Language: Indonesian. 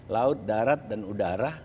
laut darat dan udara